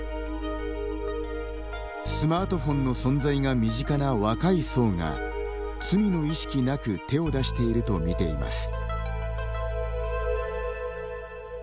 スマートフォンの存在が身近な若い層が、罪の意識なく手を出しているとみています。